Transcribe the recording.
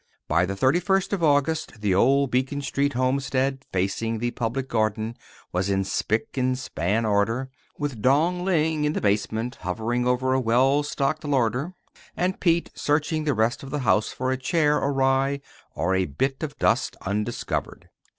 By the thirty first of August the old Beacon Street homestead facing the Public Garden was in spick and span order, with Dong Ling in the basement hovering over a well stocked larder, and Pete searching the rest of the house for a chair awry, or a bit of dust undiscovered.